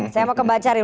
saya mau ke mbak ceril